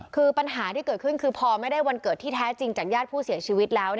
คือปัญหาที่เกิดขึ้นคือพอไม่ได้วันเกิดที่แท้จริงจากญาติผู้เสียชีวิตแล้ว